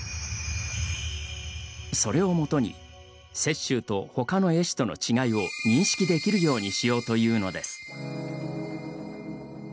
それをもとに雪舟とほかの絵師との違いを認識できるようにしようというのです。